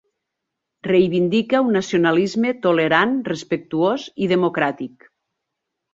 Reivindica un nacionalisme tolerant, respectuós i democràtic.